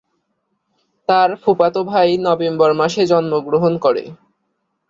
তার ফুফাতো ভাই নভেম্বর মাসে জন্মগ্রহণ করে।